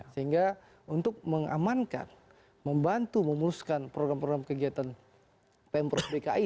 sehingga untuk mengamankan membantu memuluskan program program kegiatan pemprov dki